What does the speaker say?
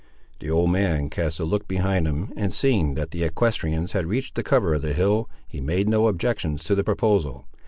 The old man cast a look behind him, and seeing that the equestrians had reached the cover of the hill, he made no objections to the proposal.